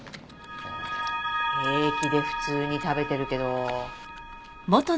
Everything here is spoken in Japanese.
平気で普通に食べてるけど。